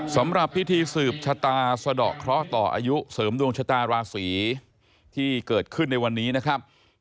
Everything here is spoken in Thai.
สำหรับพิธีสืบชะตาสะดอกเคราะห์ต่ออายุเสริมดวงชะตาราศีที่เกิดขึ้นในวันนี้นะครับ